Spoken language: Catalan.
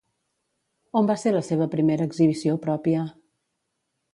On va ser la seva primera exhibició pròpia?